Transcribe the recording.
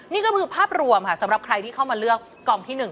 นี่ก็คือภาพรวมค่ะสำหรับใครที่เข้ามาเลือกกองที่๑